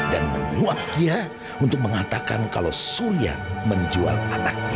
dan menyuap dia untuk mengatakan kalau surya menjual anaknya